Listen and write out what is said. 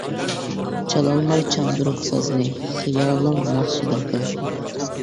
چالالماي چاندۇرۇپ سازنى، خىيالىڭ ناخشىدا گاھى.